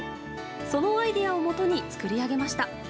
そのアイデアをもとに作り上げました。